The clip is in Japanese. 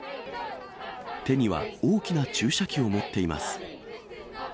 手には大きな注射器を持っています。